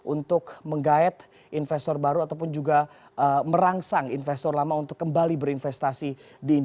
untuk menggayat investor baru ataupun juga merangsang investor lama untuk kembali berinvestasi